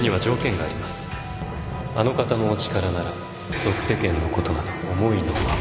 あの方のお力なら俗世間のことなど思いのまま